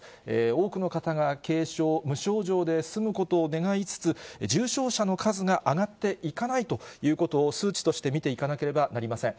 多くの方が軽症、無症状で済むことを願いつつ、重症者の数が上がっていかないということを数値として見ていかなければなりません。